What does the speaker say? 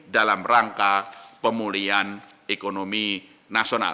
dalam rangka pemulihan ekonomi nasional